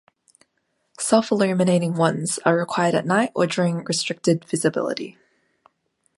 Self-illuminating wands are required at night or during restricted visibility.